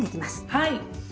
はい！